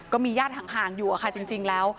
ก็มีญาติห่างอยู่อะค่ะจริงแล้ว